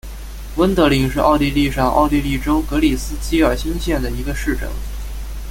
温德灵是奥地利上奥地利州格里斯基尔兴县的一个市镇。